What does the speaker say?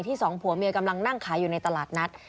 สองผัวเมียกำลังนั่งขายอยู่ในตลาดนัด